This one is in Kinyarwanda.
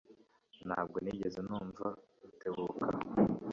Ntabwo nigeze numva Rutebuka.